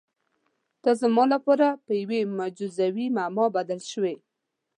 ته زما لپاره په یوې معجزوي معما بدل شوې.